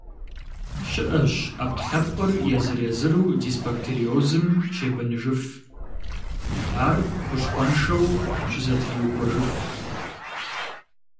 Щыӏэщ ӏэпкълъэпкъыр езыр-езыру дисбактериозым щебэныжыф, ар хущхъуэншэу щызэтриухуэжыф.